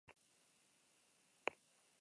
Denboraren poderioz, kultuzko film bilakatu da.